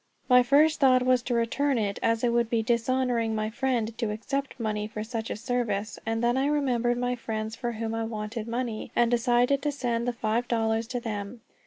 My first thought was to return it, as it would be dishonoring my friend to accept money for such a service; and then I remembered my friends for whom I wanted money, and I decided to send the five dollars to them.